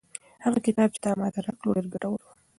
هغه کتاب چې تا ماته راکړ ډېر ګټور و.